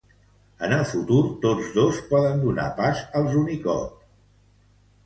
En el futur, tots dos poden donar pas als Unicode.